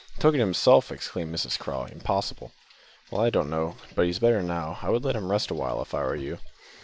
"Took it himself!" exclaimed Mrs Craw. "Impossible." "Well, I don't know, but he's better now. I would let him rest a while if I were you."